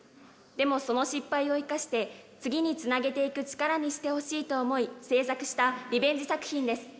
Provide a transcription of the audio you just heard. でもその失敗を生かして次につなげていく力にしてほしいと思い制作したリベンジ作品です。